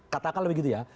katakanlah begitu ya